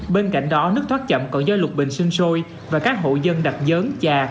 bên cạnh đó nước thoát chậm còn do lục bình sinh sôi và các hộ dân đặc dớn chà